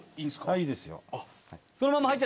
いいですよ。